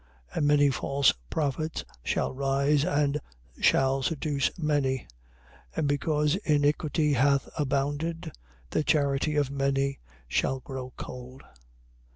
24:11. And many false prophets shall rise and shall seduce many. 24:12. And because iniquity hath abounded, the charity of many shall grow cold.